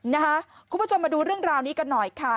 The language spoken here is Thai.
คุณผู้ชมมาดูเรื่องราวนี้กันหน่อยค่ะ